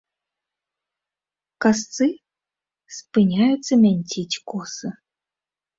Касцы спыняюцца мянціць косы.